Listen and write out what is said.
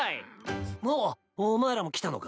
おっお前らも来たのか。